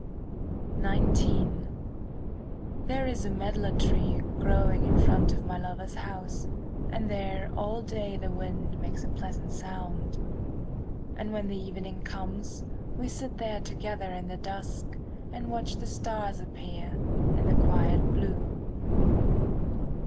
XIX There is a medlar tree Growing in front of my lover's house, And there all day The wind makes a pleasant sound. And when the evening comes, 5 We sit there together in the dusk, And watch the stars Appear in the quiet blue.